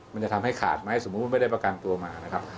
มันจะทำให้ขาดไหมสมมุติไม่ได้ประกันตัวมานะครับ